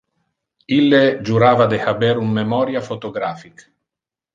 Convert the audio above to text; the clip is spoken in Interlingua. Ille jurava de haber un memoria photographic.